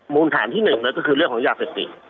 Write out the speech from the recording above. ฐานที่หนึ่งก็คือเรื่องของยาเสพติด